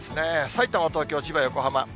さいたま、東京、千葉、横浜。